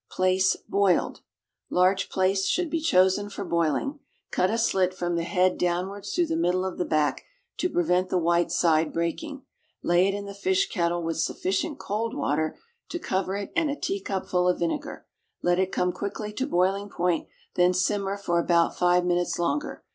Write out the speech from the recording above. =Plaice, Boiled.= Large plaice should be chosen for boiling. Cut a slit from the head downwards through the middle of the back, to prevent the white side breaking. Lay it in the fish kettle with sufficient cold water to cover it, and a teacupful of vinegar. Let it come quickly to boiling point, then simmer for about five minutes longer.